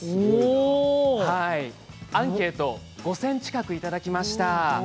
アンケート５０００近くいただきました。